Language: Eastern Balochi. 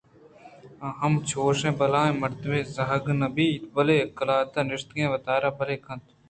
آ ہم چوشیں بلاہیں مردمے ءِ زہگ نہ اِنت بلئے قلات ءَ نشتگ وتارا بلاہے کنت